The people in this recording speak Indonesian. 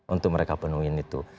untuk mereka penuhi itu